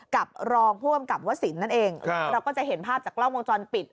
กับรองผู้บังคับว่าศิลป์นั่นเองครับเราก็จะเห็นภาพจากกล้องวงจรปิด